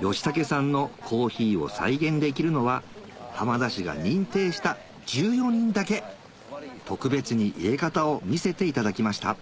義武さんのコーヒーを再現できるのは浜田市が認定した１４人だけ特別に入れ方を見せていただきました